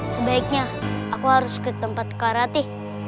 sebaiknya aku harus ke tempat kak rati